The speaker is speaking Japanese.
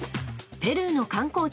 ペルーの観光地